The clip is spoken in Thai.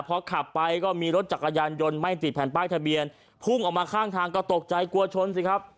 พอขับไปก็มีรถจักรยานยนต์ไม่ติดแผ่นป้ายทะเบียนพุ่งออกมาข้างทางก็ตกใจกลัวชนสิครับ